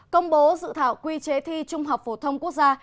công bố dự thảo quy chế thi trung học phổ thông quốc gia